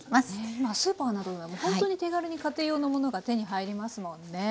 今スーパーなどでもほんとに手軽に家庭用のものが手に入りますもんね。